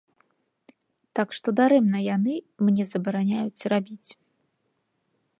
Так што дарэмна яны мне забараняюць рабіць.